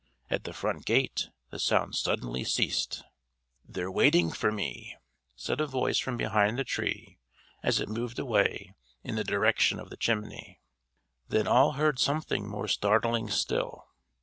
At the front gate the sound suddenly ceased. "They're waiting for me!" said a voice from behind the Tree as it moved away in the direction of the chimney. Then all heard something more startling still.